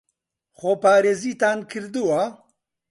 خۆپارێزیتان کردووە؟